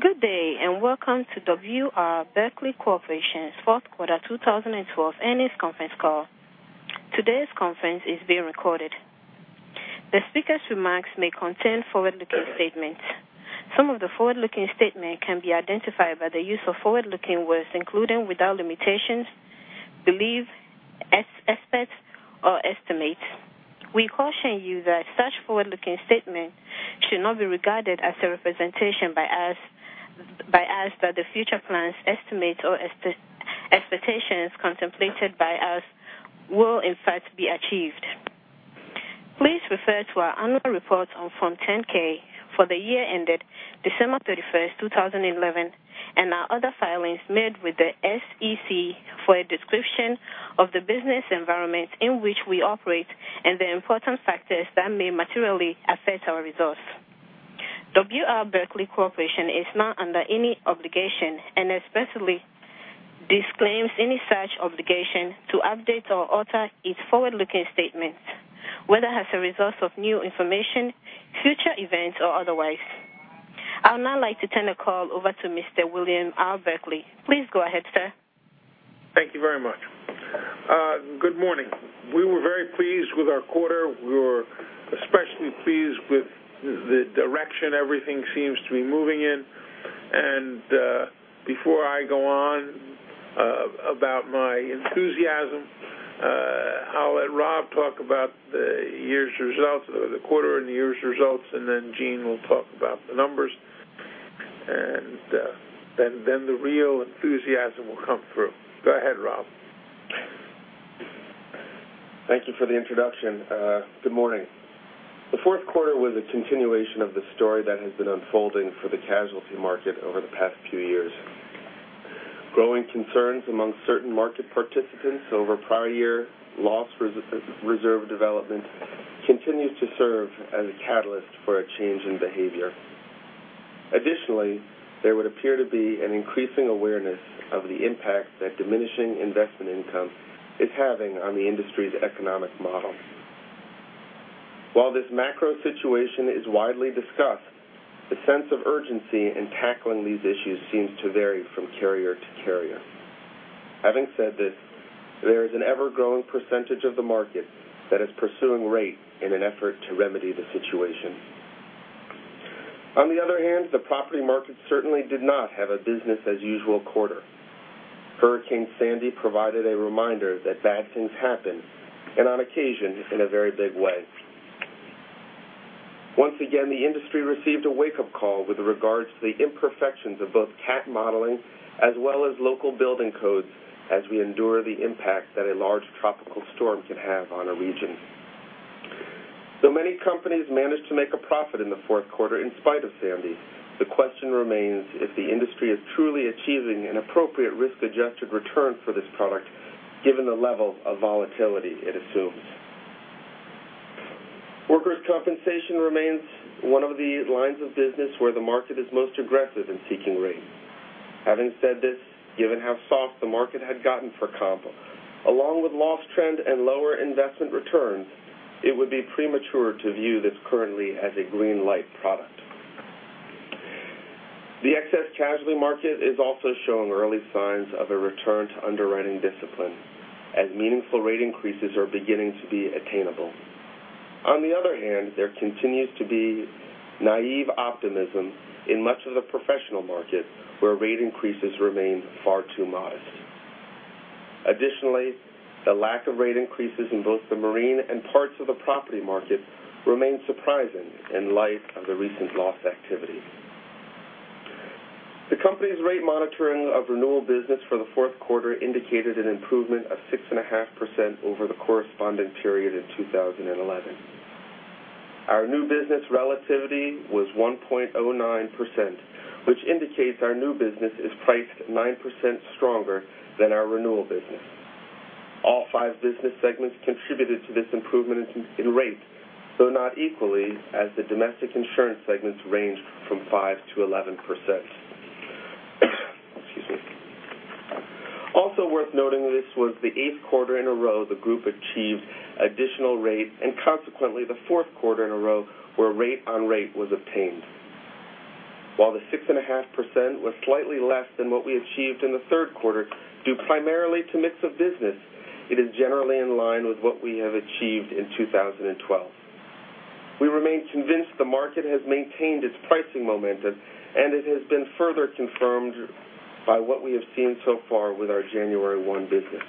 Good day. Welcome to W. R. Berkley Corporation's fourth quarter 2012 earnings conference call. Today's conference is being recorded. The speaker's remarks may contain forward-looking statements. Some of the forward-looking statements can be identified by the use of forward-looking words, including, without limitations, belief, aspect, or estimate. We caution you that such forward-looking statements should not be regarded as a representation by us that the future plans, estimates, or expectations contemplated by us will in fact be achieved. Please refer to our annual report on Form 10-K for the year ended December 31st, 2011, and our other filings made with the SEC for a description of the business environment in which we operate and the important factors that may materially affect our results. W. R. Berkley Corporation is not under any obligation and expressly disclaims any such obligation to update or alter its forward-looking statements, whether as a result of new information, future events, or otherwise. I would now like to turn the call over to Mr. William R. Berkley. Please go ahead, sir. Thank you very much. Good morning. We were very pleased with our quarter. We were especially pleased with the direction everything seems to be moving in. Before I go on about my enthusiasm, I'll let Rob talk about the quarter and the year's results. Then Gene will talk about the numbers. Then the real enthusiasm will come through. Go ahead, Rob. Thank you for the introduction. Good morning. The fourth quarter was a continuation of the story that has been unfolding for the casualty market over the past few years. Growing concerns among certain market participants over prior year loss reserve development continues to serve as a catalyst for a change in behavior. Additionally, there would appear to be an increasing awareness of the impact that diminishing investment income is having on the industry's economic model. While this macro situation is widely discussed, the sense of urgency in tackling these issues seems to vary from carrier to carrier. Having said this, there is an ever-growing percentage of the market that is pursuing rate in an effort to remedy the situation. On the other hand, the property market certainly did not have a business-as-usual quarter. Hurricane Sandy provided a reminder that bad things happen, and on occasion, in a very big way. Once again, the industry received a wake-up call with regards to the imperfections of both cat modeling as well as local building codes as we endure the impact that a large tropical storm can have on a region. Though many companies managed to make a profit in the fourth quarter in spite of Sandy, the question remains if the industry is truly achieving an appropriate risk-adjusted return for this product, given the level of volatility it assumes. Workers' compensation remains one of the lines of business where the market is most aggressive in seeking rate. Having said this, given how soft the market had gotten for comp, along with loss trend and lower investment returns, it would be premature to view this currently as a greenlight product. The excess casualty market is also showing early signs of a return to underwriting discipline, as meaningful rate increases are beginning to be attainable. On the other hand, there continues to be naive optimism in much of the professional market, where rate increases remain far too modest. Additionally, the lack of rate increases in both the marine and parts of the property market remain surprising in light of the recent loss activity. The company's rate monitoring of renewal business for the fourth quarter indicated an improvement of 6.5% over the corresponding period in 2011. Our new business relativity was 1.09%, which indicates our new business is priced 9% stronger than our renewal business. All five business segments contributed to this improvement in rate, though not equally, as the domestic insurance segments ranged from 5%-11%. Excuse me. Also worth noting, this was the eighth quarter in a row the group achieved additional rate, and consequently, the fourth quarter in a row where rate on rate was obtained. While the 6.5% was slightly less than what we achieved in the third quarter, due primarily to mix of business, it is generally in line with what we have achieved in 2012. We remain convinced the market has maintained its pricing momentum, and it has been further confirmed by what we have seen so far with our January 1 business.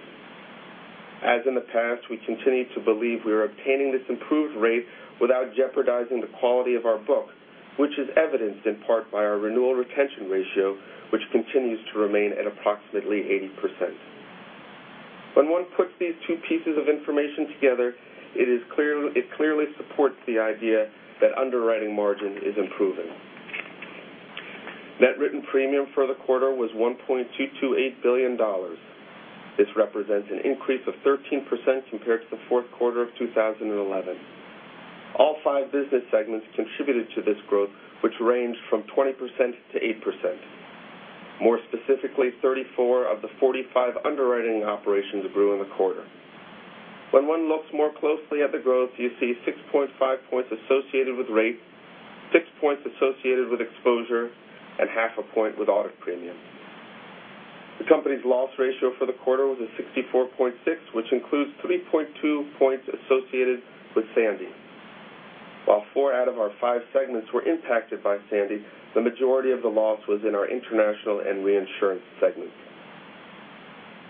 As in the past, we continue to believe we are obtaining this improved rate without jeopardizing the quality of our book, which is evidenced in part by our renewal retention ratio, which continues to remain at approximately 80%. When one puts these two pieces of information together, it clearly supports the idea that underwriting margin is improving. Net written premium for the quarter was $1.228 billion. This represents an increase of 13% compared to the fourth quarter of 2011. All five business segments contributed to this growth, which ranged from 20%-8%. More specifically, 34 of the 45 underwriting operations grew in the quarter. When one looks more closely at the growth, you see 6.5 points associated with rate, six points associated with exposure, and half a point with audit premium. The company's loss ratio for the quarter was a 64.6, which includes 3.2 points associated with Sandy. While four out of our five segments were impacted by Sandy, the majority of the loss was in our international and reinsurance segment.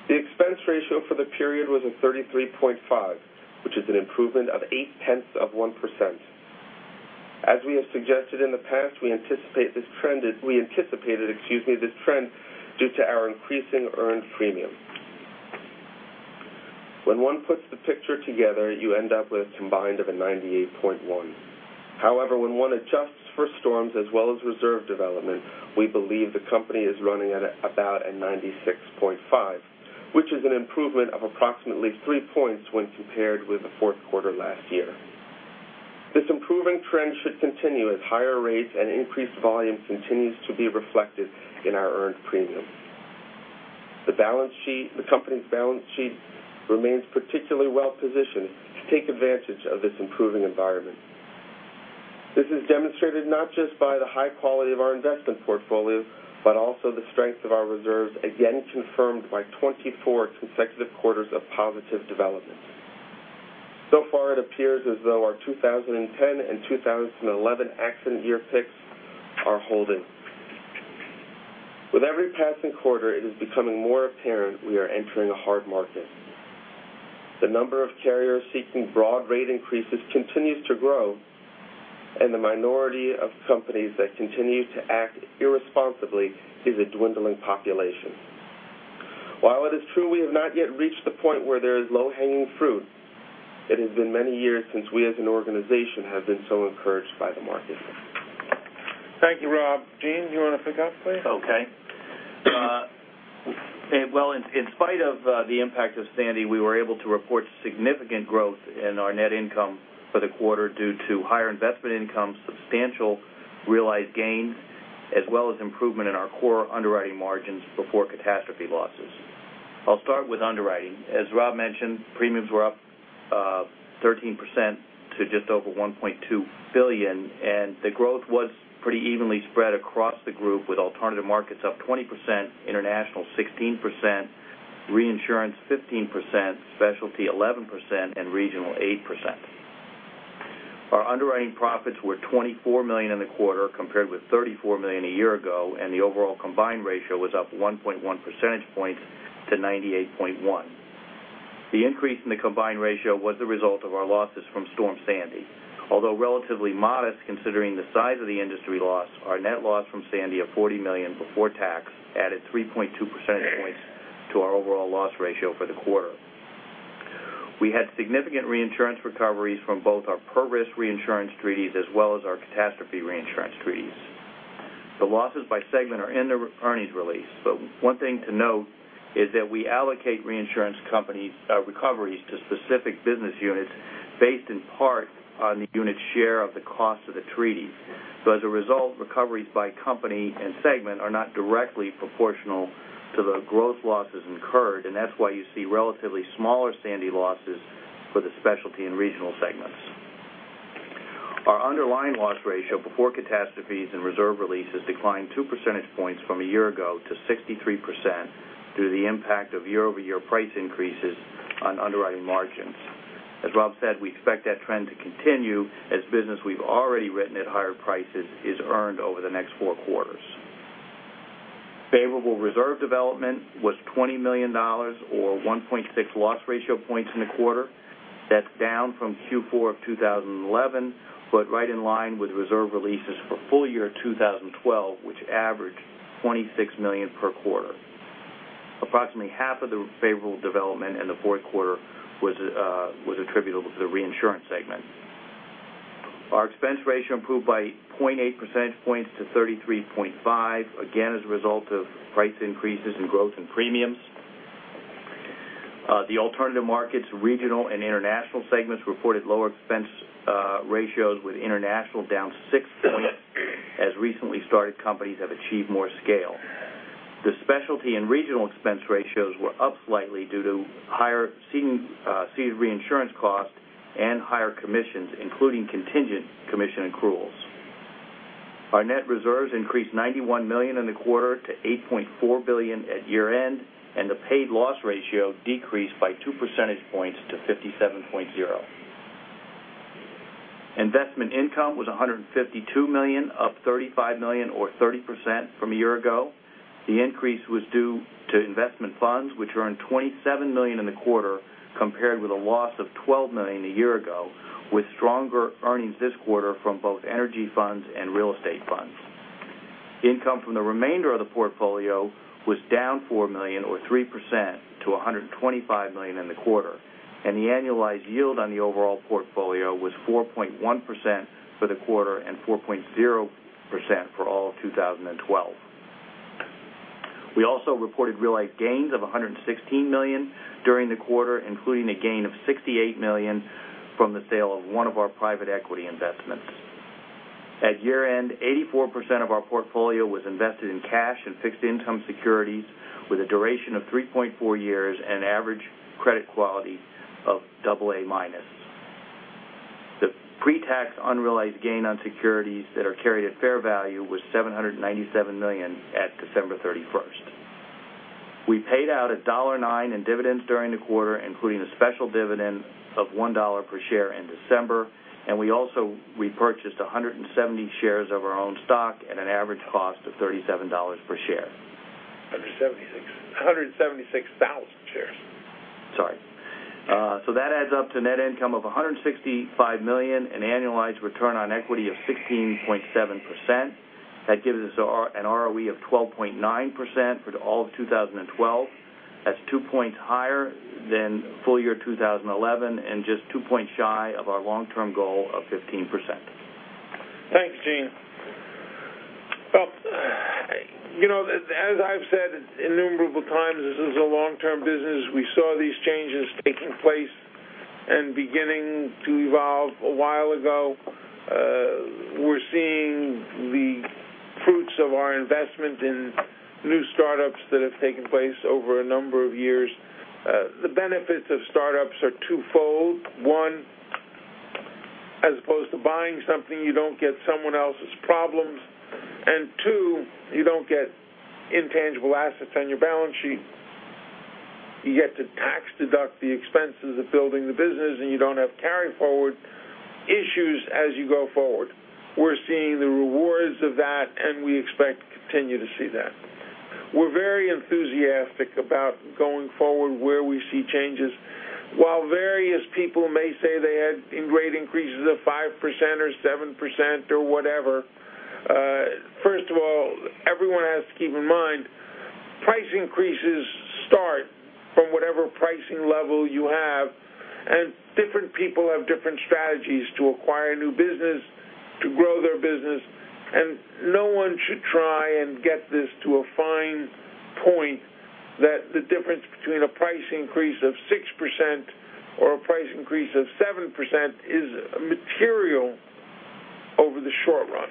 The expense ratio for the period was a 33.5, which is an improvement of eight-tenths of 1%. As we have suggested in the past, we anticipated this trend due to our increasing earned premium. When one puts the picture together, you end up with a combined of a 98.1. However, when one adjusts for storms as well as reserve development, we believe the company is running at about a 96.5, which is an improvement of approximately 3 points when compared with the fourth quarter last year. This improving trend should continue as higher rates and increased volume continues to be reflected in our earned premium. The company's balance sheet remains particularly well-positioned to take advantage of this improving environment. This is demonstrated not just by the high quality of our investment portfolio, but also the strength of our reserves, again confirmed by 24 consecutive quarters of positive development. So far it appears as though our 2010 and 2011 accident year picks are holding. With every passing quarter, it is becoming more apparent we are entering a hard market. The number of carriers seeking broad rate increases continues to grow. The minority of companies that continue to act irresponsibly is a dwindling population. While it is true we have not yet reached the point where there is low-hanging fruit, it has been many years since we as an organization have been so encouraged by the market. Thank you, Rob. Gene, do you want to pick up, please? In spite of the impact of Sandy, we were able to report significant growth in our net income for the quarter due to higher investment income, substantial realized gains, as well as improvement in our core underwriting margins before catastrophe losses. I'll start with underwriting. As Rob mentioned, premiums were up 13% to just over $1.2 billion. The growth was pretty evenly spread across the group, with alternative markets up 20%, international 16%, reinsurance 15%, specialty 11%, and regional 8%. Our underwriting profits were $24 million in the quarter, compared with $34 million a year ago. The overall combined ratio was up 1.1 percentage points to 98.1. The increase in the combined ratio was the result of our losses from Storm Sandy. Although relatively modest considering the size of the industry loss, our net loss from Sandy of $40 million before tax added 3.2 percentage points to our overall loss ratio for the quarter. We had significant reinsurance recoveries from both our per-risk reinsurance treaties as well as our catastrophe reinsurance treaties. The losses by segment are in the earnings release, but one thing to note is that we allocate reinsurance company recoveries to specific business units based in part on the unit's share of the cost of the treaties. As a result, recoveries by company and segment are not directly proportional to the growth losses incurred, and that's why you see relatively smaller Sandy losses for the specialty and regional segments. Our underlying loss ratio before catastrophes and reserve releases declined two percentage points from a year ago to 63% due to the impact of year-over-year price increases on underwriting margins. As Rob said, we expect that trend to continue as business we've already written at higher prices is earned over the next four quarters. Favorable reserve development was $20 million, or 1.6 loss ratio points in the quarter. That's down from Q4 of 2011, but right in line with reserve releases for full year 2012, which averaged $26 million per quarter. Approximately half of the favorable development in the fourth quarter was attributable to the reinsurance segment. Our expense ratio improved by 0.8 percentage points to 33.5%, again, as a result of price increases and growth in premiums. The alternative markets, regional and international segments reported lower expense ratios with international down six points as recently started companies have achieved more scale. The specialty and regional expense ratios were up slightly due to higher ceded reinsurance costs and higher commissions, including contingent commission accruals. Our net reserves increased $91 million in the quarter to $8.4 billion at year-end, and the paid loss ratio decreased by two percentage points to 57.0%. Investment income was $152 million, up $35 million or 30% from a year ago. The increase was due to investment funds, which earned $27 million in the quarter, compared with a loss of $12 million a year ago, with stronger earnings this quarter from both energy funds and real estate funds. Income from the remainder of the portfolio was down $4 million or 3% to $125 million in the quarter, and the annualized yield on the overall portfolio was 4.1% for the quarter and 4.0% for all of 2012. We also reported realized gains of $116 million during the quarter, including a gain of $68 million from the sale of one of our private equity investments. At year-end, 84% of our portfolio was invested in cash and fixed income securities with a duration of 3.4 years and average credit quality of AA-. The pre-tax unrealized gain on securities that are carried at fair value was $797 million at December 31st. We paid out $1.09 in dividends during the quarter, including a special dividend of $1 per share in December, and we also repurchased 170 shares of our own stock at an average cost of $37 per share. 176,000 shares. Sorry. That adds up to net income of $165 million, an annualized return on equity of 16.7%. That gives us an ROE of 12.9% for all of 2012. That's 2 points higher than full year 2011 and just 2 points shy of our long-term goal of 15%. Thanks, Gene. As I've said innumerable times, this is a long-term business. We saw these changes taking place and beginning to evolve a while ago. We're seeing the fruits of our investment in new startups that have taken place over a number of years. The benefits of startups are twofold. One, as opposed to buying something, you don't get someone else's problems, and two, you don't get intangible assets on your balance sheet. You get to tax deduct the expenses of building the business, and you don't have carryforward issues as you go forward. We're seeing the rewards of that, and we expect to continue to see that. We're very enthusiastic about going forward where we see changes. While various people may say they had great increases of 5% or 7% or whatever, first of all, everyone has to keep in mind, price increases start from whatever pricing level you have, and different people have different strategies to acquire new business, to grow their business, and no one should try and get this to a fine point that the difference between a price increase of 6% or a price increase of 7% is material over the short run.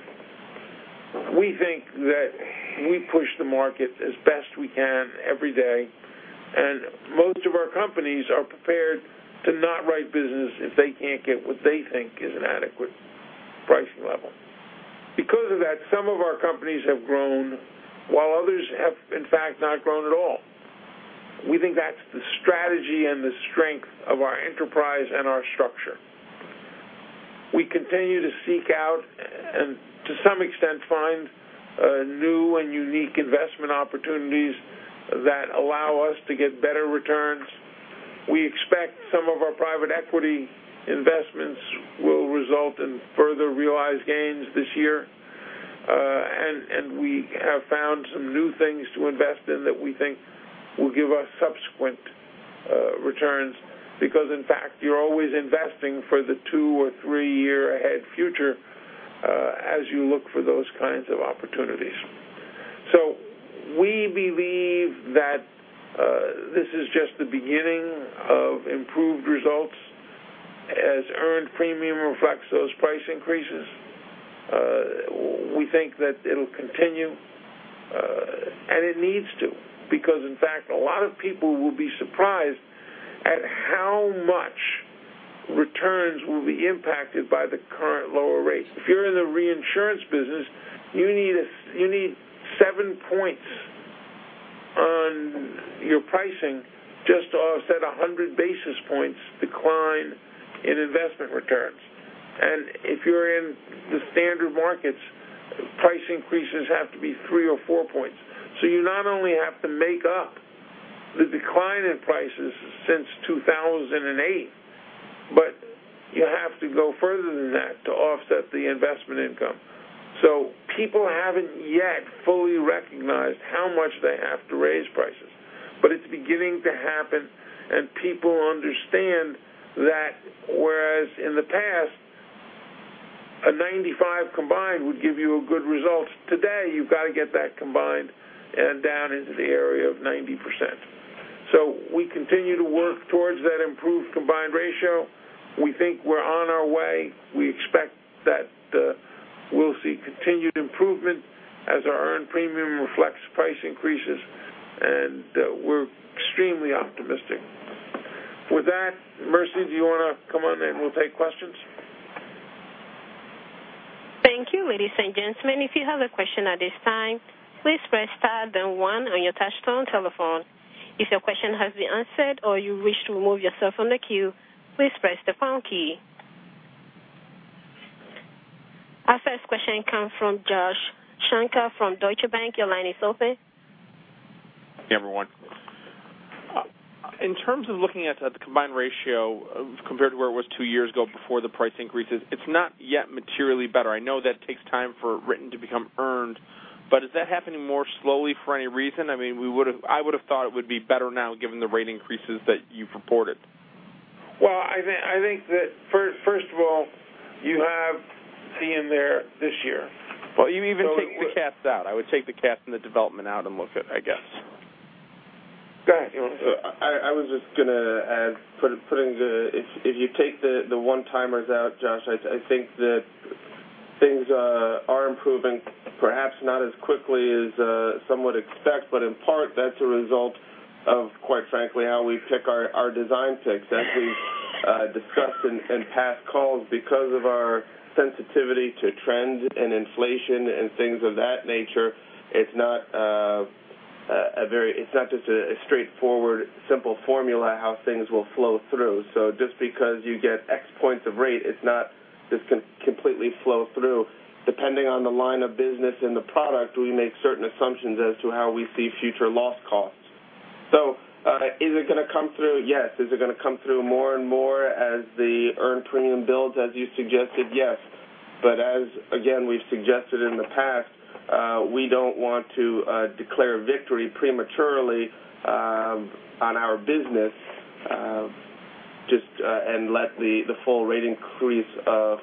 We think that we push the market as best we can every day, and most of our companies are prepared to not write business if they can't get what they think is an adequate pricing level. Because of that, some of our companies have grown while others have, in fact, not grown at all. We think that's the strategy and the strength of our enterprise and our structure. We continue to seek out and, to some extent, find new and unique investment opportunities that allow us to get better returns. We expect some of our private equity investments will result in further realized gains this year. We have found some new things to invest in that we think will give us subsequent returns because, in fact, you're always investing for the two or three year ahead future as you look for those kinds of opportunities. We believe that this is just the beginning of improved results as earned premium reflects those price increases. We think that it'll continue, and it needs to because, in fact, a lot of people will be surprised at how much returns will be impacted by the current lower rates. If you're in the reinsurance business, you need seven points on your pricing just to offset 100 basis points decline in investment returns. If you're in the standard markets, price increases have to be three or four points. You not only have to make up the decline in prices since 2008, but you have to go further than that to offset the investment income. People haven't yet fully recognized how much they have to raise prices, but it's beginning to happen and people understand that whereas in the past, a 95 combined would give you a good result, today you've got to get that combined and down into the area of 90%. We continue to work towards that improved combined ratio. We think we're on our way. We expect that we'll see continued improvement as our earned premium reflects price increases, and we're extremely optimistic. With that, Mercy, do you want to come on and we'll take questions? Thank you, ladies and gentlemen. If you have a question at this time, please press star then one on your touchtone telephone. If your question has been answered or you wish to remove yourself from the queue, please press the pound key. Our first question comes from Joshua Shanker from Deutsche Bank. Your line is open. Yeah, everyone. In terms of looking at the combined ratio compared to where it was two years ago before the price increases, it's not yet materially better. I know that takes time for written to become earned. Is that happening more slowly for any reason? I would have thought it would be better now given the rate increases that you've reported. Well, I think that first of all, you have cat in there this year. Well, you even take the cats out. I would take the cat from the development out and look at it, I guess. I was just going to add, if you take the one-timers out, Josh, I think that things are improving, perhaps not as quickly as some would expect. In part, that's a result of, quite frankly, how we pick our design picks. As we've discussed in past calls, because of our sensitivity to trend and inflation and things of that nature, it's not just a straightforward, simple formula how things will flow through. Just because you get X points of rate, it's not just completely flow through. Depending on the line of business and the product, we make certain assumptions as to how we see future loss costs. Is it going to come through? Yes. Is it going to come through more and more as the earned premium builds, as you suggested? Yes. As, again, we've suggested in the past, we don't want to declare victory prematurely on our business and let the full rate increase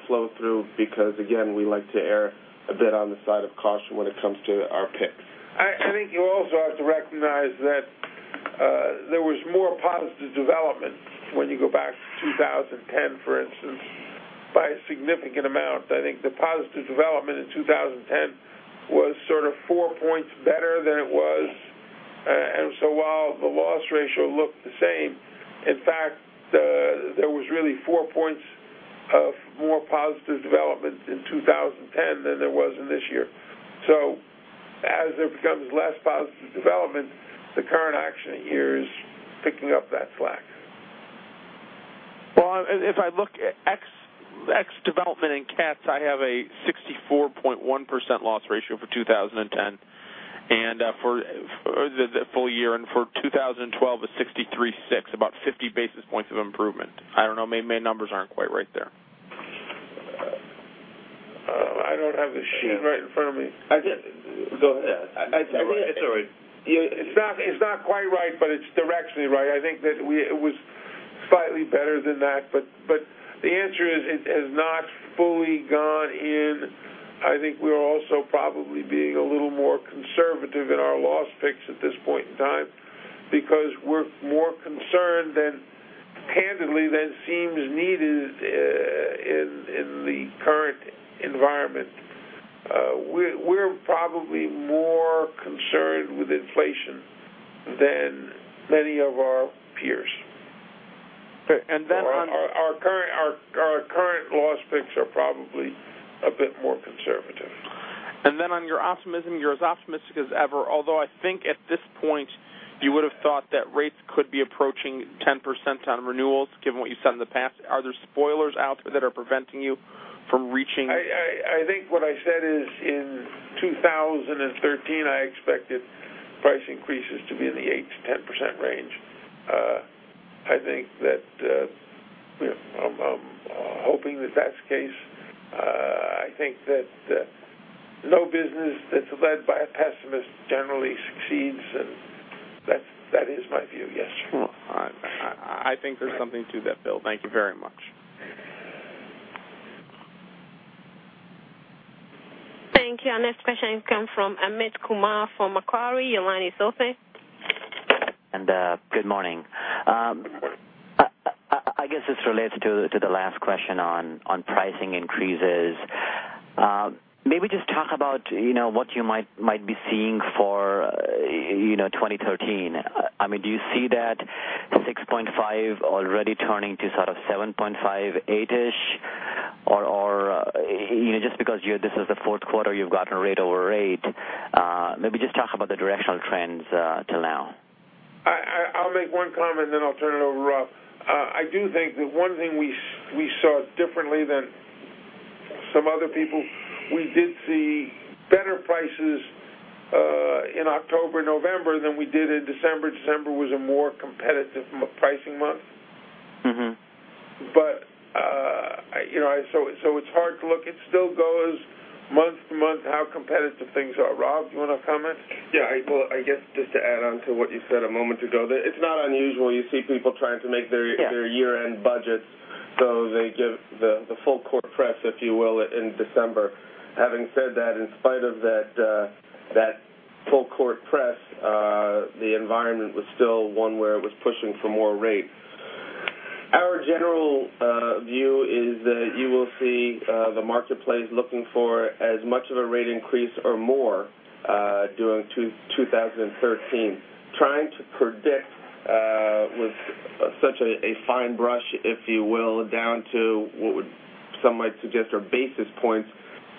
flow through because, again, we like to err a bit on the side of caution when it comes to our picks. I think you also have to recognize that there was more positive development when you go back to 2010, for instance, by a significant amount. I think the positive development in 2010 was sort of 4 points better than it was. While the loss ratio looked the same, in fact, there was really 4 points of more positive development in 2010 than there was in this year. As there becomes less positive development, the current accident year is picking up that slack. Well, if I look at X development in cats, I have a 64.1% loss ratio for 2010 for the full year, and for 2012, a 63.6%, about 50 basis points of improvement. I don't know, my numbers aren't quite right there. I don't have the sheet right in front of me. Go ahead. It's all right. It's not quite right, but it's directionally right. I think that it was slightly better than that. The answer is it has not fully gone in. I think we are also probably being a little more conservative in our loss picks at this point in time because we're more concerned than, candidly, than seems needed in the current environment. We're probably more concerned with inflation than many of our peers. Okay. Then on- Our current loss picks are probably a bit more conservative. On your optimism, you're as optimistic as ever. Although, I think at this point you would've thought that rates could be approaching 10% on renewals, given what you've said in the past. Are there spoilers out there that are preventing you from reaching? I think what I said is in 2013, I expected price increases to be in the 8%-10% range. I'm hoping that that's the case. I think that no business that's led by a pessimist generally succeeds, and that is my view, yes. All right. I think there's something to that, Bill. Thank you very much. Thank you. Our next question comes from Amit Kumar from Macquarie. Your line is open. Good morning. I guess this relates to the last question on pricing increases. Maybe just talk about what you might be seeing for 2013. Do you see that 6.5 already turning to sort of 7.5, eight-ish? Just because this is the fourth quarter, you've gotten rate over rate. Maybe just talk about the directional trends till now. I'll make one comment, then I'll turn it over to Rob. I do think that one thing we saw differently than some other people, we did see better prices in October, November than we did in December. December was a more competitive pricing month. It's hard to look. It still goes month to month how competitive things are. Rob, you want to comment? Yeah. I guess just to add on to what you said a moment ago, that it's not unusual. You see people trying to make their- Yeah Their year-end budgets, they give the full court press, if you will, in December. Having said that, in spite of that full-court press, the environment was still one where it was pushing for more rate. Our general view is that you will see the marketplace looking for as much of a rate increase or more during 2013. Trying to predict with such a fine brush, if you will, down to what would some might suggest are basis points,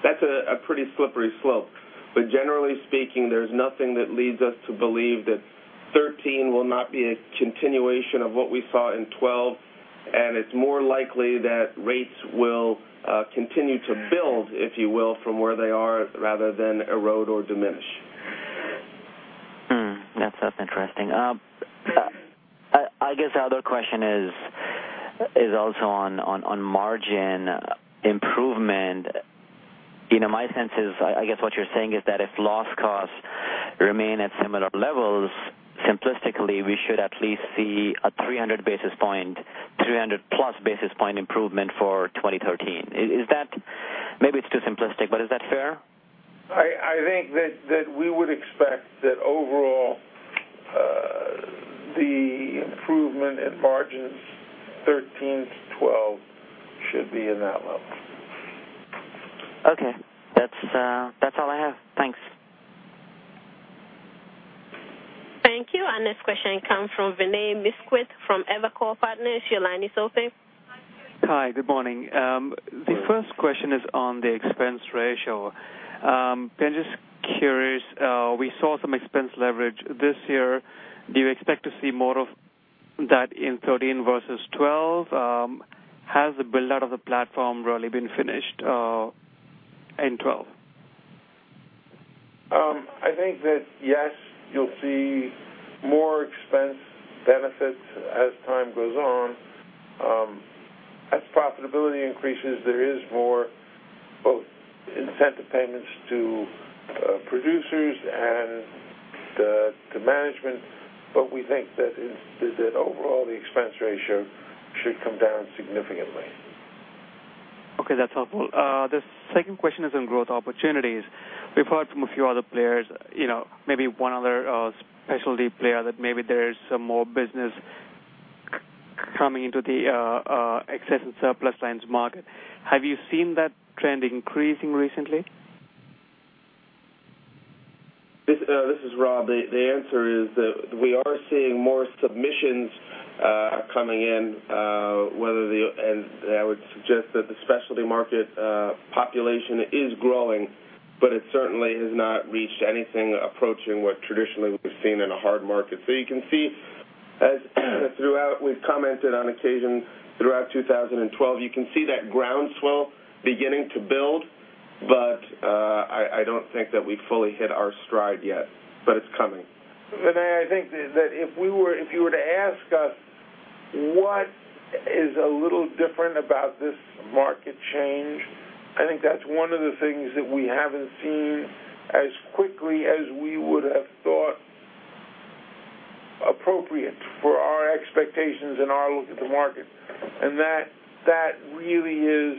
that's a pretty slippery slope. Generally speaking, there's nothing that leads us to believe that 2013 will not be a continuation of what we saw in 2012, and it's more likely that rates will continue to build, if you will, from where they are rather than erode or diminish. Hmm. That's interesting. I guess the other question is also on margin improvement. My sense is, I guess what you're saying is that if loss costs remain at similar levels, simplistically, we should at least see a 300-plus basis point improvement for 2013. Maybe it's too simplistic, but is that fair? I think that we would expect that overall, the improvement in margins 2013 to 2012 should be in that level. Okay. That's all I have. Thanks. Thank you. Our next question comes from Vinay Misquith from Evercore Partners. Your line is open. Hi. Good morning. The first question is on the expense ratio. I'm just curious, we saw some expense leverage this year. Do you expect to see more of that in 2013 versus 2012? Has the build-out of the platform really been finished in 2012? I think that, yes, you'll see more expense benefits as time goes on. As profitability increases, there is more both incentive payments to producers and to management, but we think that overall the expense ratio should come down significantly. Okay, that's helpful. The second question is on growth opportunities. We have heard from a few other players, maybe one other specialty player, that maybe there is some more business coming into the excess and surplus lines market. Have you seen that trend increasing recently? This is Rob. The answer is that we are seeing more submissions coming in. I would suggest that the specialty market population is growing, but it certainly has not reached anything approaching what traditionally we have seen in a hard market. You can see, as throughout we have commented on occasion, throughout 2012, you can see that groundswell beginning to build, but I do not think that we have fully hit our stride yet. It is coming. Vinay, I think that if you were to ask us what is a little different about this market change, I think that is one of the things that we have not seen as quickly as we would have thought appropriate for our expectations and our look at the market. That really is,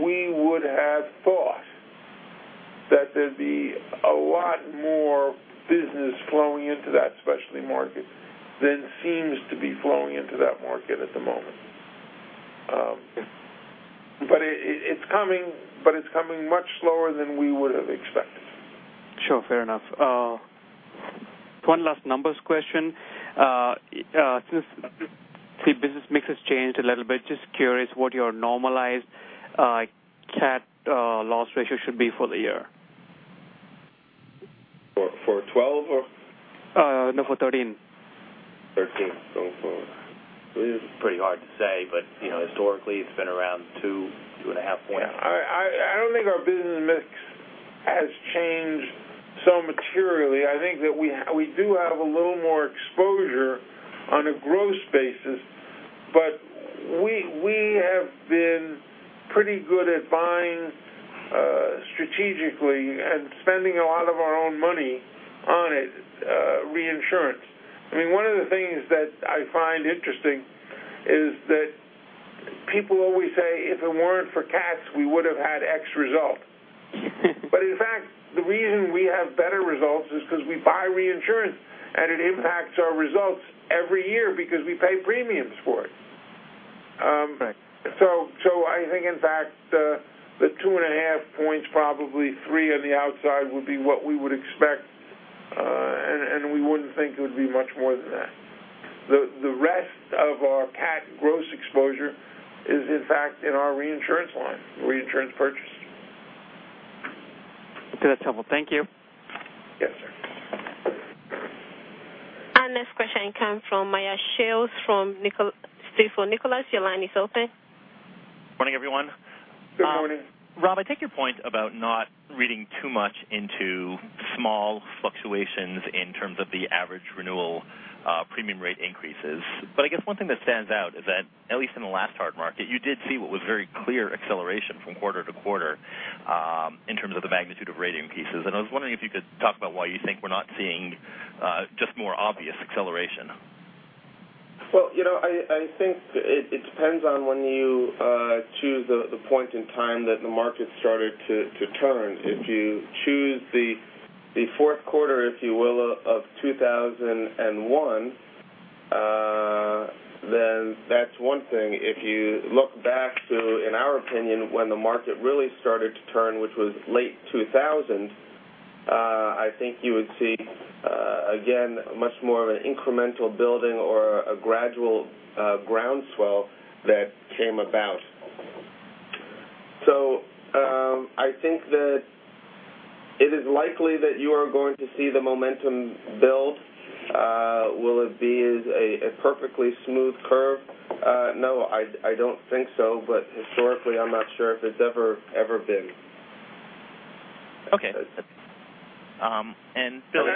we would have thought that there would be a lot more business flowing into that specialty market than seems to be flowing into that market at the moment. It is coming, but it is coming much slower than we would have expected. Sure. Fair enough. One last numbers question. Since the business mix has changed a little bit, just curious what your normalized cat loss ratio should be for the year. For 2012, or? No, for 2013. 2013. It's pretty hard to say, historically it's been around two and a half points. I don't think our business mix has changed so materially. I think that we do have a little more exposure on a gross basis, but we have been pretty good at buying strategically and spending a lot of our own money on it, reinsurance. One of the things that I find interesting is that people always say, "If it weren't for cats, we would've had X result." In fact, the reason we have better results is because we buy reinsurance, and it impacts our results every year because we pay premiums for it. Right. I think, in fact, the two and a half points, probably three on the outside, would be what we would expect, and we wouldn't think it would be much more than that. The rest of our cat gross exposure is, in fact, in our reinsurance line, reinsurance purchase. Okay, that's helpful. Thank you. Yes, sir. Our next question comes from Meyer Shields from Stifel Nicolaus. Your line is open. Morning, everyone. Good morning. Rob, I take your point about not reading too much into small fluctuations in terms of the average renewal premium rate increases. I guess one thing that stands out is that, at least in the last hard market, you did see what was very clear acceleration from quarter-to-quarter in terms of the magnitude of rating increases, and I was wondering if you could talk about why you think we're not seeing just more obvious acceleration. Well, I think it depends on when you choose the point in time that the market started to turn. If you choose the fourth quarter, if you will, of 2001, then that's one thing. If you look back to, in our opinion, when the market really started to turn, which was late 2000, I think you would see, again, much more of an incremental building or a gradual groundswell that came about. I think that it is likely that you are going to see the momentum build. Will it be as a perfectly smooth curve? No, I don't think so, but historically, I'm not sure if it's ever been. Okay. Obviously,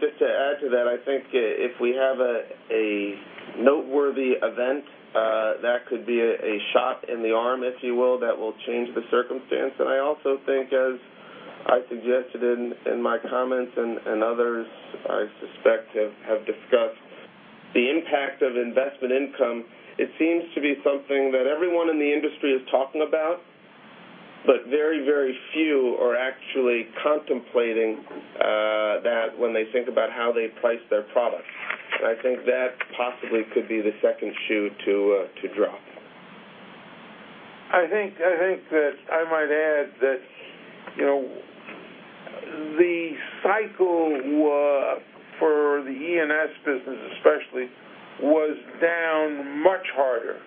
just to add to that, I think if we have a noteworthy event, that could be a shot in the arm, if you will, that will change the circumstance. I also think, as I suggested in my comments, and others I suspect have discussed the impact of investment income, it seems to be something that everyone in the industry is talking about, but very, very few are actually contemplating that when they think about how they price their products. I think that possibly could be the second shoe to drop. I think that I might add that the cycle for the E&S business especially was down much harder.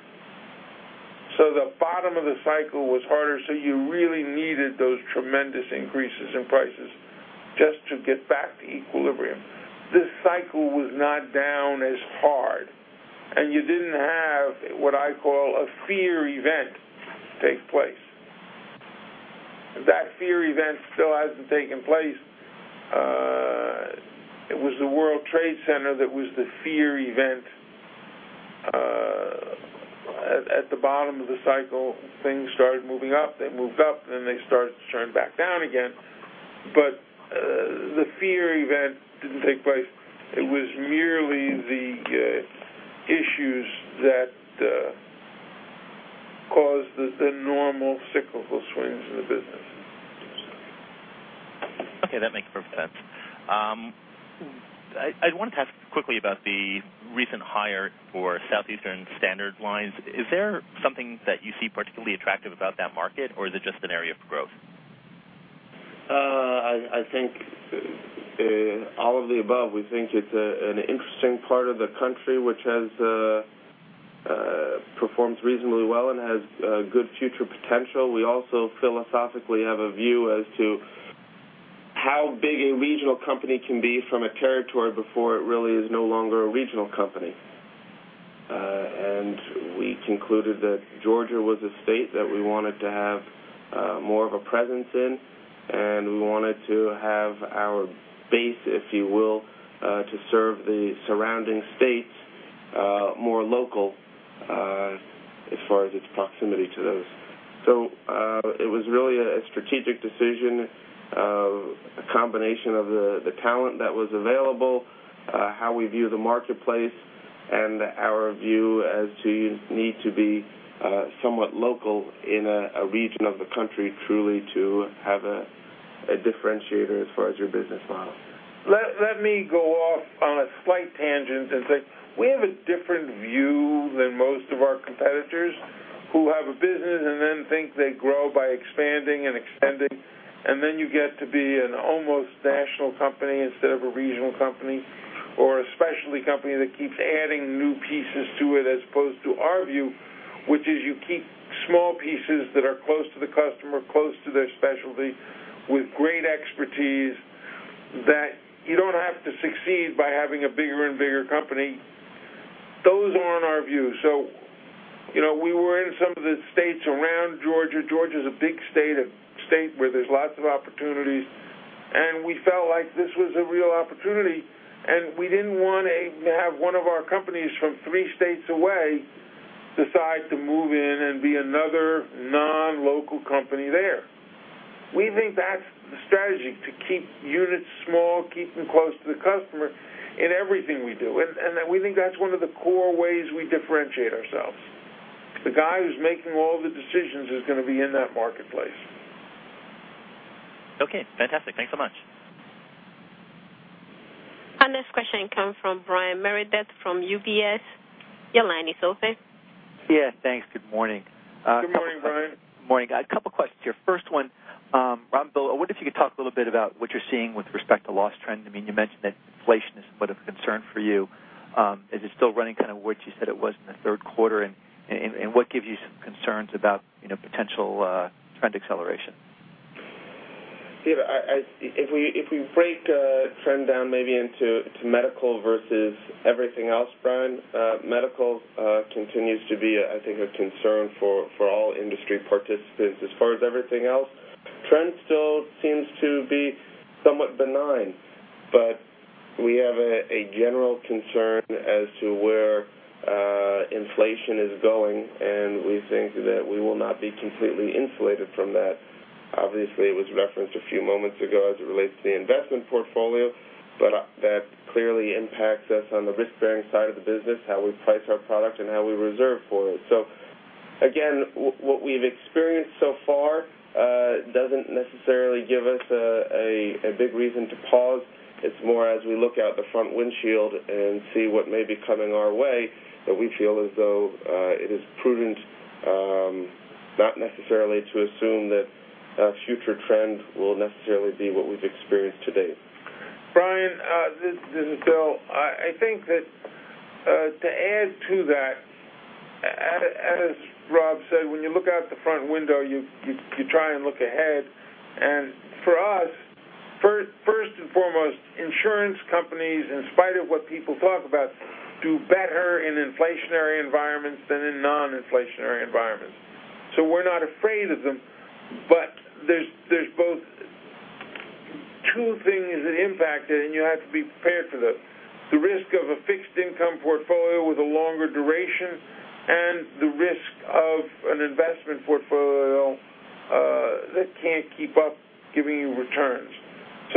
The bottom of the cycle was harder, you really needed those tremendous increases in prices just to get back to equilibrium. This cycle was not down as hard, you didn't have what I call a fear event take place. That fear event still hasn't taken place. It was the World Trade Center that was the fear event. At the bottom of the cycle, things started moving up, they moved up, then they started to turn back down again. The fear event didn't take place. It was merely the issues that caused the normal cyclical swings in the business. Okay, that makes perfect sense. I wanted to ask quickly about the recent hire for Southeastern Standard Lines. Is there something that you see particularly attractive about that market, or is it just an area of growth? I think all of the above. We think it's an interesting part of the country which has performed reasonably well and has good future potential. We also philosophically have a view as to how big a regional company can be from a territory before it really is no longer a regional company. We concluded that Georgia was a state that we wanted to have more of a presence in, and we wanted to have our base, if you will, to serve the surrounding states more local as far as its proximity to those. It was really a strategic decision of a combination of the talent that was available, how we view the marketplace, and our view as to need to be somewhat local in a region of the country, truly to have a differentiator as far as your business model. Let me go off on a slight tangent and say we have a different view than most of our competitors who have a business and then think they grow by expanding and extending. Then you get to be an almost national company instead of a regional company, or a specialty company that keeps adding new pieces to it as opposed to our view, which is you keep small pieces that are close to the customer, close to their specialty with great expertise, that you don't have to succeed by having a bigger and bigger company. Those aren't our views. We were in some of the states around Georgia. Georgia's a big state, a state where there's lots of opportunities, and we felt like this was a real opportunity, and we didn't want to have one of our companies from three states away decide to move in and be another non-local company there. We think that's the strategy, to keep units small, keep them close to the customer in everything we do. We think that's one of the core ways we differentiate ourselves. The guy who's making all the decisions is going to be in that marketplace. Okay, fantastic. Thanks so much. Our next question comes from Brian Meredith from UBS. Your line is open. Yeah, thanks. Good morning. Good morning, Brian. Morning. A couple questions here. First one, Rob, Bill, I wonder if you could talk a little bit about what you're seeing with respect to loss trend. You mentioned that inflation is a bit of a concern for you. Is it still running kind of what you said it was in the third quarter, and what gives you some concerns about potential trend acceleration? If we break trend down maybe into medical versus everything else, Brian, medical continues to be, I think, a concern for all industry participants. As far as everything else, trend still seems to be somewhat benign, but we have a general concern as to where inflation is going, and we think that we will not be completely insulated from that. Obviously, it was referenced a few moments ago as it relates to the investment portfolio, but that clearly impacts us on the risk-bearing side of the business, how we price our product, and how we reserve for it. Again, what we've experienced so far doesn't necessarily give us a big reason to pause. It's more as we look out the front windshield and see what may be coming our way, that we feel as though it is prudent not necessarily to assume that future trends will necessarily be what we've experienced to date. Brian, this is Bill. I think that to add to that, as Rob said, when you look out the front window, you try and look ahead. For us, first and foremost, insurance companies, in spite of what people talk about, do better in inflationary environments than in non-inflationary environments. We're not afraid of them. There's both two things that impact it, and you have to be prepared for them. The risk of a fixed income portfolio with a longer duration and the risk of an investment portfolio That can't keep up giving you returns.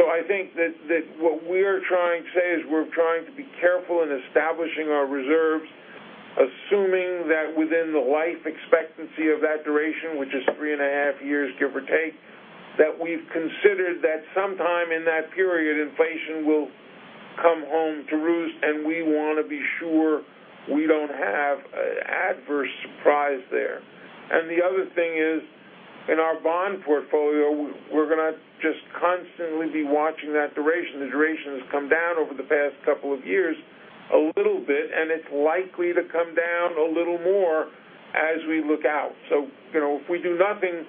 I think that what we're trying to say is we're trying to be careful in establishing our reserves, assuming that within the life expectancy of that duration, which is three and a half years, give or take, that we've considered that sometime in that period, inflation will come home to roost, and we want to be sure we don't have an adverse surprise there. The other thing is, in our bond portfolio, we're going to just constantly be watching that duration. The duration has come down over the past couple of years a little bit, and it's likely to come down a little more as we look out. If we do nothing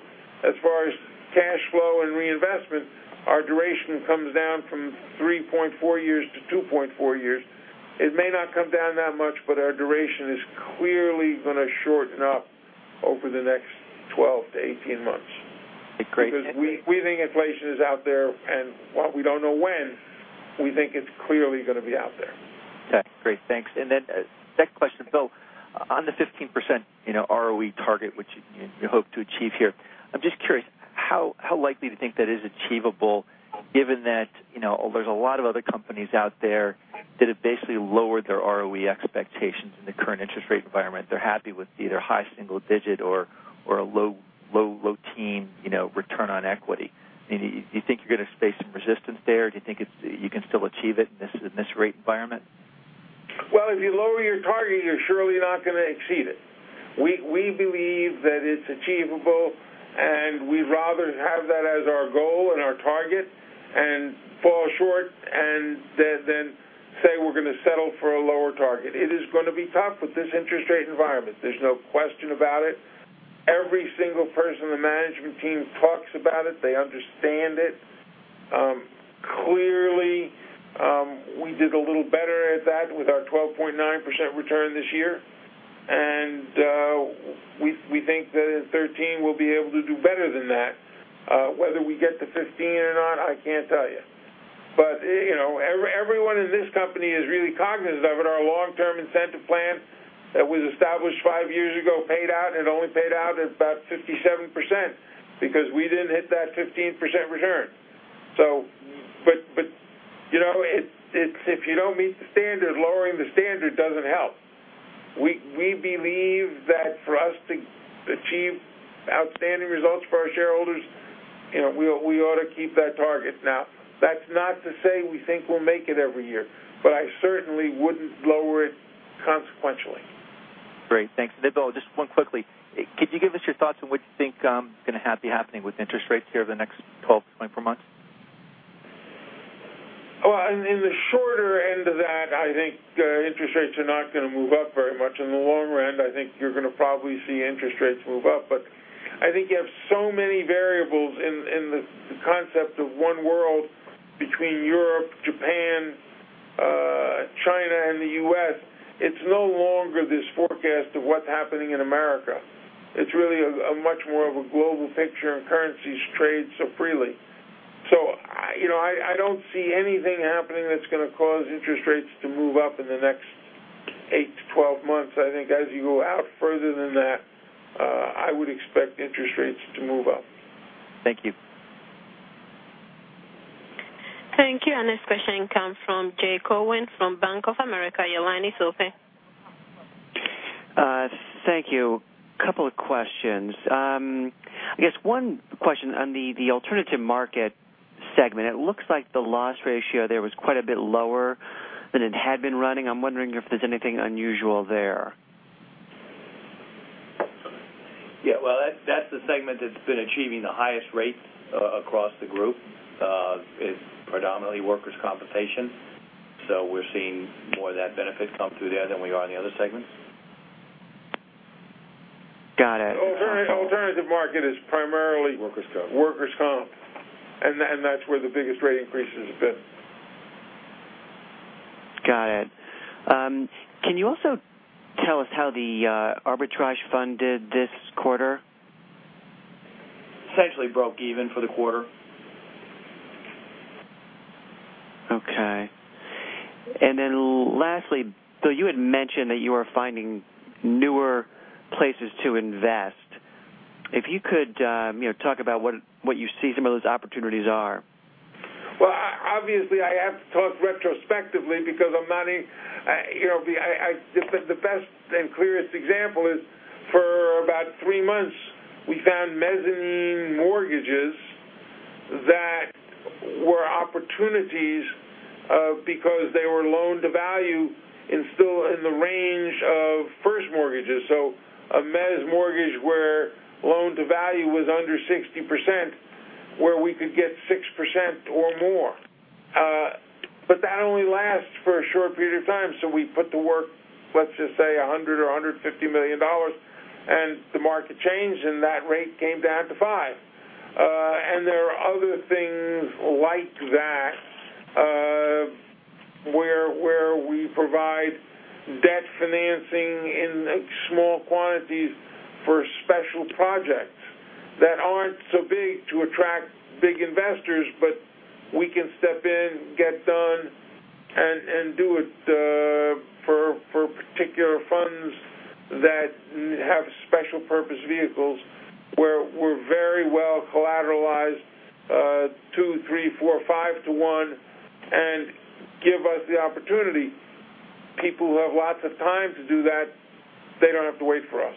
as far as cash flow and reinvestment, our duration comes down from 3.4 years to 2.4 years. It may not come down that much, but our duration is clearly going to shorten up over the next 12 to 18 months. Great. We think inflation is out there, and while we don't know when, we think it's clearly going to be out there. Great, thanks. Second question, Bill, on the 15% ROE target, which you hope to achieve here, I'm just curious how likely do you think that is achievable given that there's a lot of other companies out there that have basically lowered their ROE expectations in the current interest rate environment? They're happy with either high single digit or a low teen return on equity. Do you think you're going to face some resistance there, or do you think you can still achieve it in this rate environment? Well, if you lower your target, you're surely not going to exceed it. We believe that it's achievable, we'd rather have that as our goal and our target and fall short, than say we're going to settle for a lower target. It is going to be tough with this interest rate environment. There's no question about it. Every single person in the management team talks about it. They understand it. Clearly, we did a little better at that with our 12.9% return this year. We think that in 2013, we'll be able to do better than that. Whether we get to 15 or not, I can't tell you. Everyone in this company is really cognizant of it. Our long-term incentive plan that was established five years ago paid out, and it only paid out about 57% because we didn't hit that 15% return. If you don't meet the standard, lowering the standard doesn't help. We believe that for us to achieve outstanding results for our shareholders, we ought to keep that target. That's not to say we think we'll make it every year, but I certainly wouldn't lower it consequentially. Great, thanks. Bill, just one quickly. Could you give us your thoughts on what you think is going to be happening with interest rates here over the next 12-24 months? Well, in the shorter end of that, I think interest rates are not going to move up very much. In the long run, I think you're going to probably see interest rates move up. I think you have so many variables in the concept of one world between Europe, Japan, China, and the U.S. It's no longer this forecast of what's happening in America. It's really a much more of a global picture, and currencies trade so freely. I don't see anything happening that's going to cause interest rates to move up in the next 8-12 months. I think as you go out further than that, I would expect interest rates to move up. Thank you. Thank you. Our next question comes from Jay Cohen from Bank of America. Your line is open. Thank you. Couple of questions. I guess one question on the alternative market segment. It looks like the loss ratio there was quite a bit lower than it had been running. I'm wondering if there's anything unusual there. Yeah. Well, that's the segment that's been achieving the highest rate across the group. It's predominantly workers' compensation. We're seeing more of that benefit come through there than we are in the other segments. Got it. alternative market is primarily workers' comp workers' comp, that's where the biggest rate increases have been. Got it. Can you also tell us how the arbitrage fund did this quarter? Essentially broke even for the quarter. Okay. Lastly, Bill, you had mentioned that you are finding newer places to invest. If you could talk about what you see some of those opportunities are. Well, obviously, I have to talk retrospectively because the best and clearest example is for about three months, we found mezzanine mortgages that were opportunities because they were loan to value and still in the range of first mortgages. A mezz mortgage where loan to value was under 60%, where we could get 6% or more. That only lasts for a short period of time, so we put to work, let's just say $100 million or $150 million, and the market changed, and that rate came down to 5%. There are other things like that where we provide debt financing in small quantities for special projects that aren't so big to attract big investors, but we can step in, get done, and do it for particular funds that have special purpose vehicles where we're very well collateralized two, three, four, five to one and give us the opportunity. People who have lots of time to do that, they don't have to wait for us.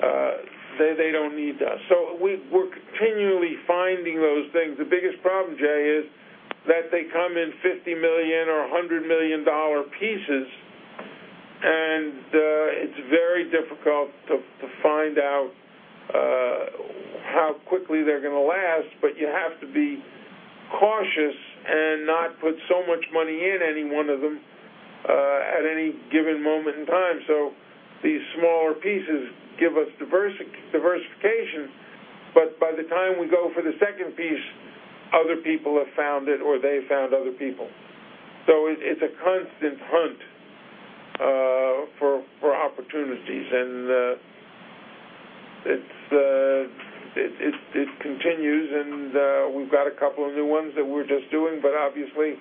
They don't need us. We're continually finding those things. The biggest problem, Jay, is that they come in $50 million or $100 million pieces, and it's very difficult to find out how quickly they're going to last. You have to be cautious and not put so much money in any one of them at any given moment in time. These smaller pieces give us diversification, but by the time we go for the second piece, other people have found it, or they've found other people. It's a constant hunt for opportunities, and it continues and we've got a couple of new ones that we're just doing, but obviously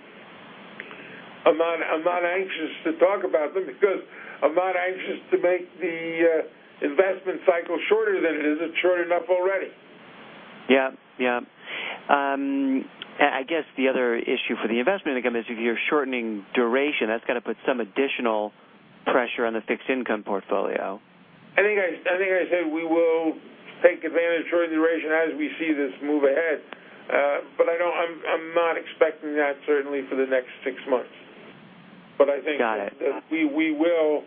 I'm not anxious to talk about them because I'm not anxious to make the investment cycle shorter than it is. It's short enough already. Yeah. I guess the other issue for the investment income is if you're shortening duration, that's got to put some additional pressure on the fixed income portfolio. I think I said we will take advantage of shortening duration as we see this move ahead. I'm not expecting that certainly for the next six months. Got it. I think we will,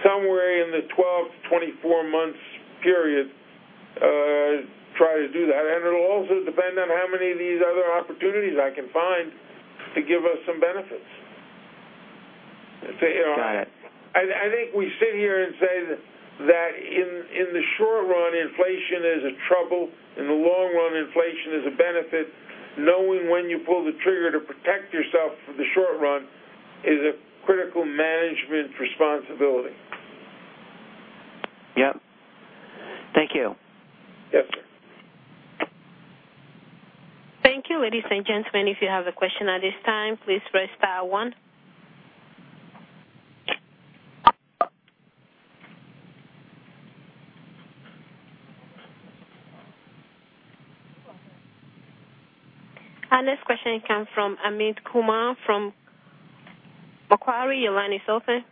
somewhere in the 12-24 months period, try to do that. It'll also depend on how many of these other opportunities I can find to give us some benefits. Got it. I think we sit here and say that in the short run, inflation is a trouble. In the long run, inflation is a benefit. Knowing when you pull the trigger to protect yourself from the short run is a critical management responsibility. Yep. Thank you. Yes, sir. Thank you, ladies and gentlemen. If you have a question at this time, please press star one. Our next question comes from Amit Kumar from Macquarie. Your line is open.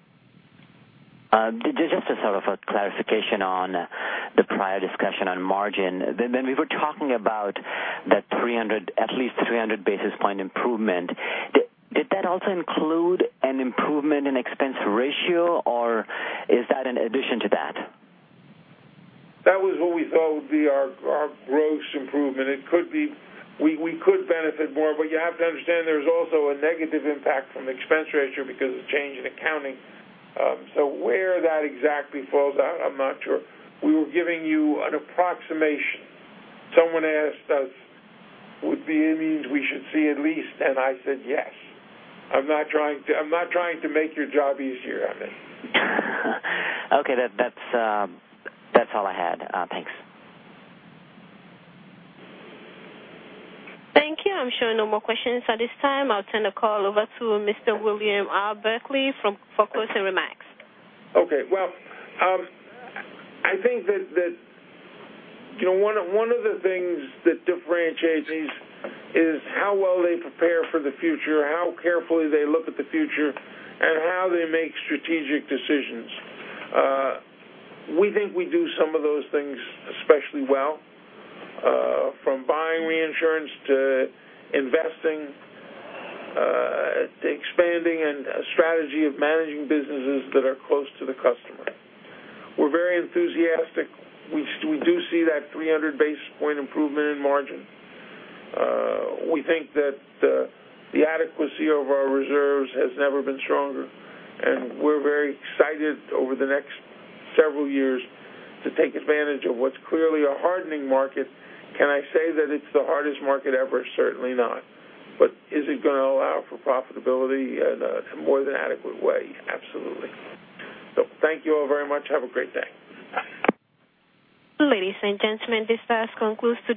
Just a sort of a clarification on the prior discussion on margin. When we were talking about that at least 300 basis point improvement, did that also include an improvement in expense ratio, or is that in addition to that? That was what we thought would be our gross improvement. We could benefit more, you have to understand there's also a negative impact from expense ratio because of change in accounting. Where that exactly falls out, I'm not sure. We were giving you an approximation. Someone asked us, would there be any we should see at least, and I said yes. I'm not trying to make your job easier, Amit. Okay. That's all I had. Thanks. Thank you. I'm showing no more questions at this time. I'll turn the call over to Mr. William R. Berkley from further remarks. Well, I think that one of the things that differentiates is how well they prepare for the future, how carefully they look at the future, and how they make strategic decisions. We think we do some of those things especially well, from buying reinsurance to investing, to expanding and a strategy of managing businesses that are close to the customer. We're very enthusiastic. We do see that 300 basis points improvement in margin. We think that the adequacy of our reserves has never been stronger, and we're very excited over the next several years to take advantage of what's clearly a hardening market. Can I say that it's the hardest market ever? Certainly not. Is it going to allow for profitability in a more than adequate way? Absolutely. Thank you all very much. Have a great day. Ladies and gentlemen, this does conclude today's